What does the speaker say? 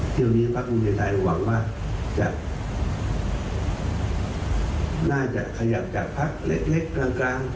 เที่ยวนี้พักภูมิใจไทยหวังว่าจะน่าจะขยับจากพักเล็กกลาง